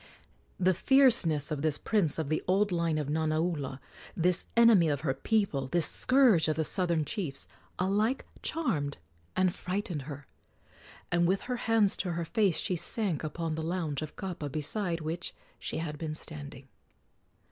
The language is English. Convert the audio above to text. The fierceness of this prince of the old line of Nanaula, this enemy of her people, this scourge of the southern chiefs, alike charmed and frightened her, and with her hands to her face she sank upon the lounge of kapa beside which she had been standing.